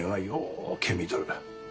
うけ見とる。